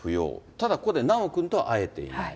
ただ、ここで修くんとは会えていない。